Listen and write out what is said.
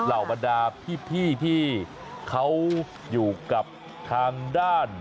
เหล่าบรรดาพี่ที่เขาอยู่กับทางด้าน